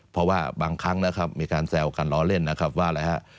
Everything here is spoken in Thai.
เพราะว่าบางครั้งนะครับมีการแซวกันล้อเล่นนะครับว่าอะไรฮะ